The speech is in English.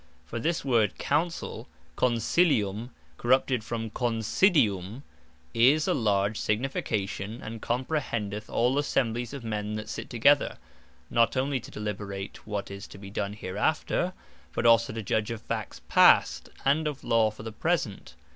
For this word Counsell, Consilium, corrupted from Considium, is a large signification, and comprehendeth all Assemblies of men that sit together, not onely to deliberate what is to be done hereafter, but also to judge of Facts past, and of Law for the present.